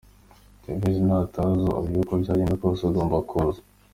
Tevez nataza ,uyu we uko byagenda kose agomba kuza.